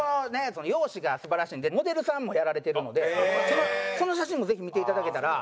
容姿が素晴らしいんでモデルさんもやられてるのでその写真もぜひ見ていただけたら。